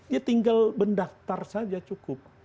ya tinggal mendaftar saja cukup